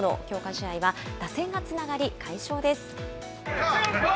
試合は、打線がつながり、快勝です。